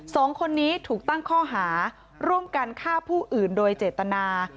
สองคนนี้ถูกตั้งข้อหาร่วมกันฆ่าผู้อื่นโดยเจตนา